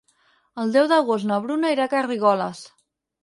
El deu d'agost na Bruna irà a Garrigoles.